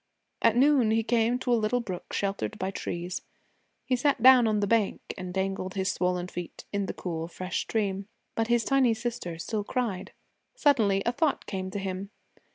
At noon he came to a little brook sheltered by trees. He sat down on the bank and dangled his swollen feet in the cool, fresh stream. But his tiny sister still cried. Suddenly a thought came to him.